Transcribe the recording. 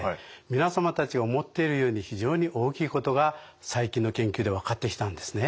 皆様たちが思っているより非常に大きいことが最近の研究で分かってきたんですね。